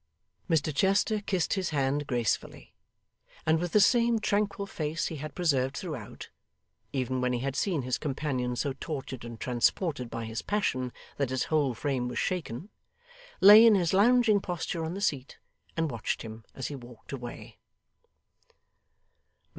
Mr Chester kissed his hand gracefully; and with the same tranquil face he had preserved throughout even when he had seen his companion so tortured and transported by his passion that his whole frame was shaken lay in his lounging posture on the seat and watched him as he walked away.